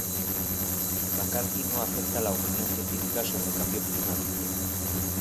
McCarthy no acepta la opinión científica sobre el cambio climático.